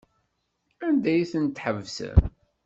Anda ay ten-tḥebsem?